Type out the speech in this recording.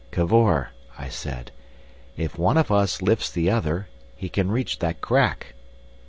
"Cavor," I said, "if one of us lifts the other, he can reach that crack!"